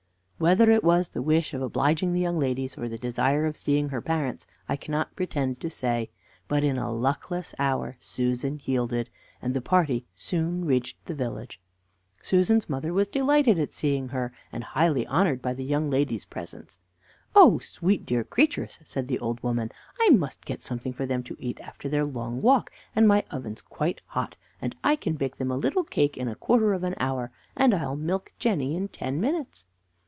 Whether it was the wish of obliging the young ladies, or the desire of seeing her parents, I cannot pretend to say, but in a luckless hour Susan yielded, and the party soon reached the village. Susan's mother was delighted at seeing her, and highly honored by the young ladies' presence. "Oh, sweet, dear creatures!" said the old woman, "I must get something for them to eat after their long walk, and my oven's quite hot, and I can bake them a little cake in a quarter of an hour, and I'll milk Jenny in ten minutes."